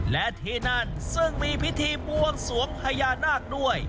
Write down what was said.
และที่นั่นซึ่งมีพิธีบวงสวงพญานาคด้วย